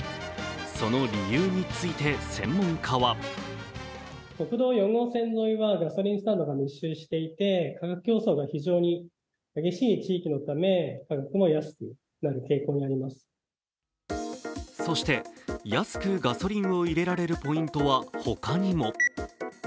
その理由について専門家はそして安くガソリンを入れられるポイントはほかにも。